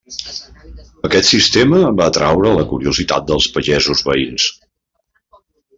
Aquest sistema va atreure la curiositat dels pagesos veïns.